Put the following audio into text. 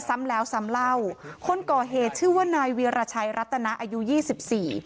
ซ้ำแล้วซ้ำเล่าคนก่อเหตุชื่อว่านายเวียรชัยรัตนาอายุยี่สิบสี่